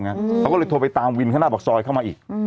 เขาก็เลยโทรไปตามวินข้างหน้าปากซอยเข้ามาอีก